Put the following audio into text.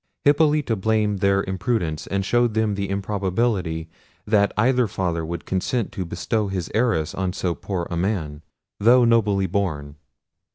Hippolita blamed their imprudence, and showed them the improbability that either father would consent to bestow his heiress on so poor a man, though nobly born.